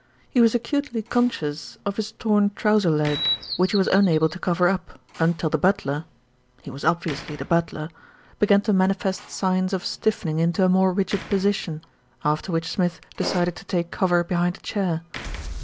He was acutely conscious of his torn trouser leg, which he was unable to cover up until the butler, he was obviously the butler, began to manifest signs of stiffening into a more rigid position, after which Smith decided to take cover be hind a chair.